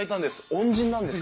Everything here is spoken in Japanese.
恩人なんです。